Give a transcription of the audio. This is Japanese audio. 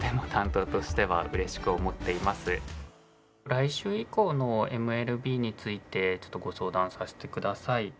来週以降のＭＬＢについてご相談させてください。